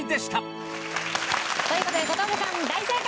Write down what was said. という事で小峠さん大正解！